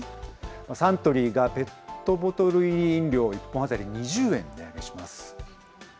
サントリーがペットボトル入り飲料１本当たり２０円値上げします。